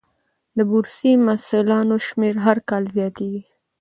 د بورسي محصلانو شمېر هر کال زیاتېږي.